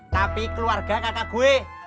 tapi keluarga kakak gue